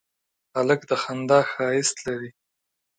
هلک د خندا ښایست لري.